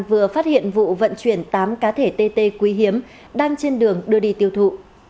vừa phát hiện vụ vận chuyển tám cá thể tt quý hiếm đang trên đường đưa đi tiêu thụ